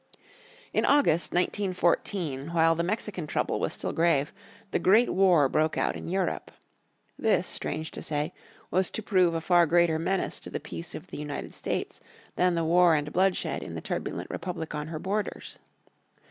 In August, 1914, while the Mexican trouble was still grave, the Great War broke out in Europe. This, strange to say, was to prove a far greater menace to the peace of the United States than the war and bloodshed in the turbulent republic on her borders.